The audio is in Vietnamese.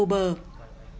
các bệnh nhân đã trở về